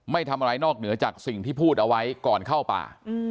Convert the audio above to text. ไม่ทำอะไรนอกเหนือจากสิ่งที่พูดเอาไว้ก่อนเข้าป่า